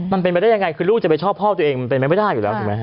มันเป็นไปได้ยังไงคือลูกจะไปชอบพ่อตัวเองมันเป็นไปไม่ได้อยู่แล้วถูกไหมฮ